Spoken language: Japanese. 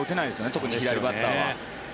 特に左バッターは。